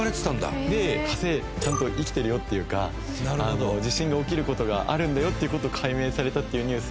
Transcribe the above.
で火星ちゃんと生きてるよっていうか地震が起きる事があるんだよっていう事が解明されたっていうニュース